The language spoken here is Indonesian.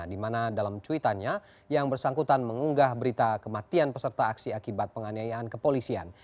di mana dalam cuitannya yang bersangkutan mengunggah berita kematian peserta aksi akibat penganiayaan kepolisian